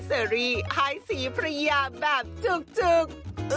เซอรี่หายสีพระยาแบบจุก